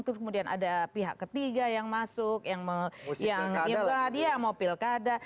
terus kemudian ada pihak ketiga yang masuk yang menggugat ya mobil kada